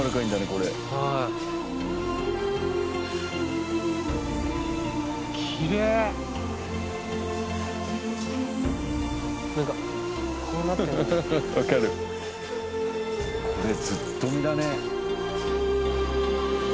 これずっとみだね。